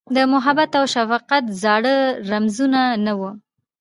د محبت اوشفقت زاړه رمزونه، نه وه